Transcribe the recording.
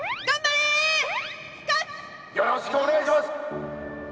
よろしくお願いします！